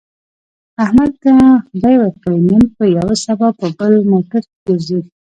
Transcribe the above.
احمد ته خدای ورکړې، نن په یوه سبا په بل موټر کې ګرځي.